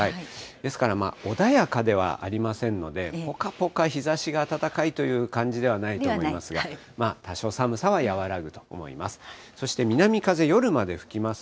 ですから、穏やかではありませんので、ぽかぽか日ざしが暖かいという感じではないと思いますが、多少、寒さは和らぐと思います。